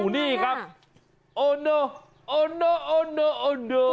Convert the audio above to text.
นี่ค่ะโอโนโอโนโอโนโน